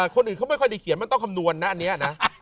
คนอื่นเขาไม่ค่อยได้เขียนมันต้องคำนวณนะอันนี้นะ